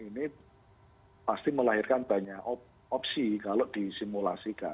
ini pasti melahirkan banyak opsi kalau disimulasikan